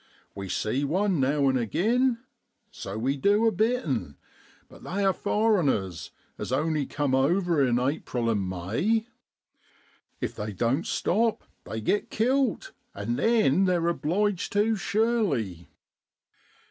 We see one now an' again, so we du a bittern, but they are furreners, as only cum over in April and May. If they don't stop they git kilt, and then they're obliged tu, sure ly.